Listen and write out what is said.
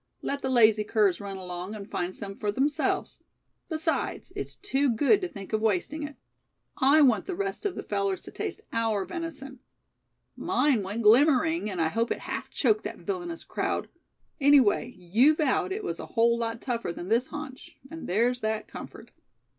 Let the lazy curs run along, and find some for themselves. Besides, it's too good to think of wasting it. I want the rest of the fellers to taste our venison. Mine went glimmering, and I hope it half choked that villainous crowd. Anyway you vowed it was a whole lot tougher than this haunch; and there's that comfort."